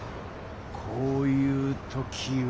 こういう時は。